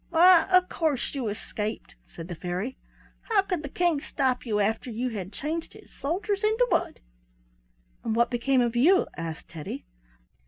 "Why, of course you escaped," said the fairy. "How could the King stop you after you had changed his soldiers into wood?" "And what became of you?" asked Teddy.